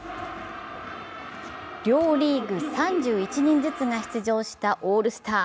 両リーグ３１人ずつが出場したオールスター。